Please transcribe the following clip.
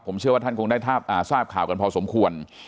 ผมเชื่อว่าท่านคงได้ทราบข่าวกันพอสมควร